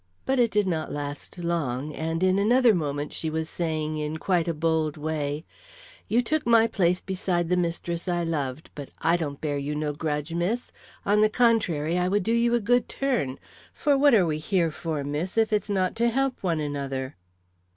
But it did not last long, and in another moment she was saying, in quite a bold way: "You took my place beside the mistress I loved, but I don't bear you no grudge, miss. On the contrary, I would do you a good turn; for what are we here for, miss, if it's not to help one another?"